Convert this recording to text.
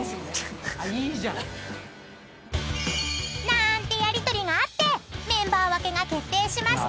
［なーんてやりとりがあってメンバー分けが決定しました］